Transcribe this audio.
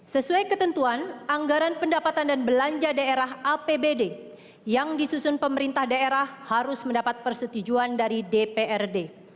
sesuai ketentuan anggaran pendapatan dan belanja daerah apbd yang disusun pemerintah daerah harus mendapat persetujuan dari dprd